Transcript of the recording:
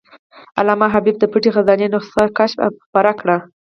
علامه حبیبي د "پټه خزانه" نسخه کشف او خپره کړه.